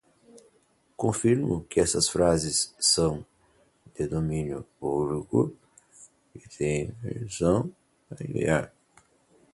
Confirmo que estas frases são de domínio público e tenho permissão para enviar